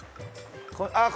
あっ。